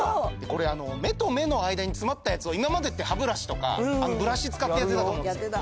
目と目の間に詰まったやつを今までって歯ブラシとかブラシ使ってやってたと思うんですけど。